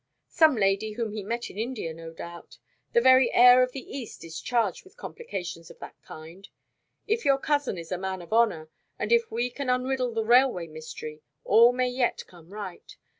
"Some lady whom he met in India, no doubt. The very air of the East is charged with complications of that kind. If your cousin is a man of honour, and if we can unriddle the railway mystery, all may yet come right.